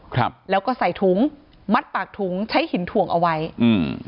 ครับแล้วก็ใส่ถุงมัดปากถุงใช้หินถ่วงเอาไว้อืม